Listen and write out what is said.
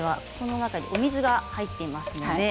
中に水が入っています。